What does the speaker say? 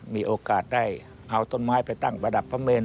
มีโอกาสได้เอาต้นไม้ไปตั้งประดับพระเมน